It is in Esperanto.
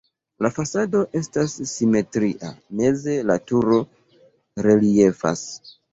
La fasado estas simetria, meze la turo reliefas.